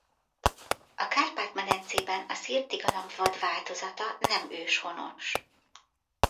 A Kárpát-medencében a szirti galamb vad változata nem őshonos.